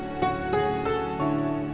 aku pilih siapa